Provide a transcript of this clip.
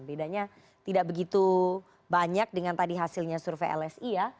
bedanya tidak begitu banyak dengan tadi hasilnya survei lsi ya